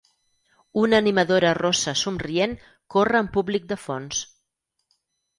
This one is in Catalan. Una animadora rossa somrient corre amb públic de fons.